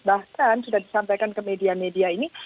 bahkan sudah disampaikan ke media media ini